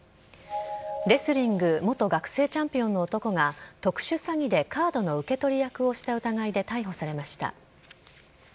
レスリング元学生チャンピオンの男が特殊詐欺でカードの受け取り役をした疑いで逮捕されました。